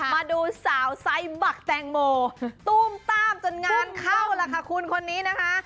มาดูสาวไซส์บักแตงโมตู้มต้ามจนงานเข้าล่ะค่ะคุณคนนี้นะคะ